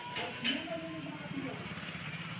La armadura y la cubierta del techo son de hierro.